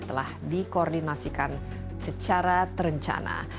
telah dikoordinasikan secara terencana